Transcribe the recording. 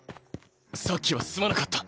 さっきはすまなかった。